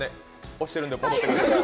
押してるんで戻ってください。